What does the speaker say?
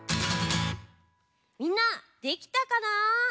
みんなできたかな？